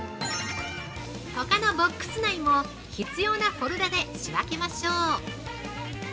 ◆ほかのボックス内も必要なフォルダで仕分けましょう。